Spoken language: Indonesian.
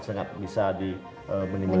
sangat bisa di menimbulkan